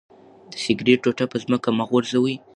د سګرټ ټوټه په ځمکه مه غورځوئ.